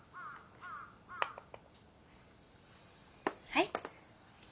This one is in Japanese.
はい。